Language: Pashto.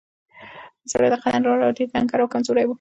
سړی له قد نه لوړ او ډېر ډنګر او کمزوری و.